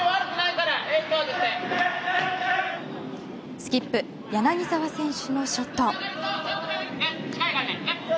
スキップ柳澤選手のショット。